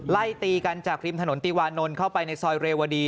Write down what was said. ไล่ตีกันจากริมถนนติวานนท์เข้าไปในซอยเรวดี